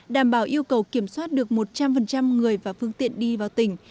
có yêu cầu kiểm soát được một trăm linh người và phương tiện đi vào tỉnh